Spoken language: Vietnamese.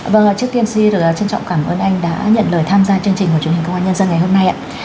vâng trước tiên xin được trân trọng cảm ơn anh đã nhận lời tham gia chương trình của truyền hình công an nhân dân ngày hôm nay ạ